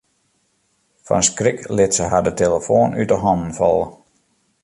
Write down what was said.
Fan skrik lit se har de telefoan út 'e hannen falle.